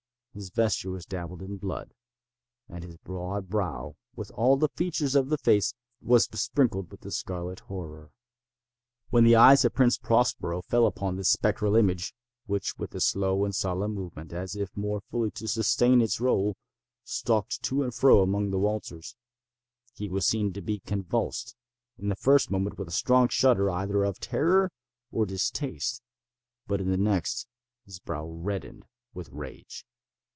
His vesture was dabbled in blood—and his broad brow, with all the features of the face, was besprinkled with the scarlet horror. When the eyes of Prince Prospero fell upon this spectral image (which with a slow and solemn movement, as if more fully to sustain its role, stalked to and fro among the waltzers) he was seen to be convulsed, in the first moment with a strong shudder either of terror or distaste; but, in the next, his brow reddened with rage.